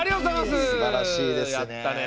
すばらしいですね。